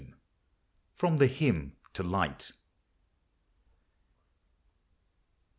35 FROM THE "HYMN TO LIGHT."